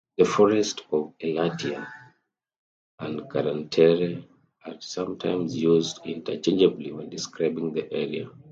The Forest of Elatia and Karantere are sometimes used interchangeably when describing the area.